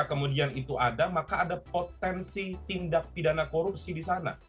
jika kemudian itu ada maka ada potensi tindak pidana korupsi disana